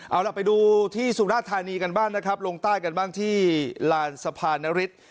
เอาล่ะไปดูที่สุราธานีกันบ้างนะครับลงใต้กันบ้างที่ลานสะพานนฤทธิ์